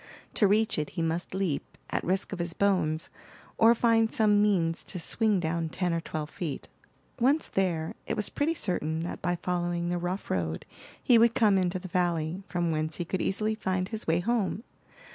To reach it he must leap, at risk of his bones, or find some means to swing down ten or twelve feet. Once there, it was pretty certain that by following the rough road he would come into the valley, from whence he could easily find his way home.